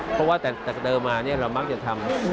เพราะว่าแต่เดิมมาเนี่ยเรามักจะทำ